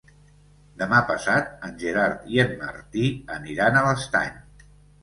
Demà passat en Gerard i en Martí aniran a l'Estany.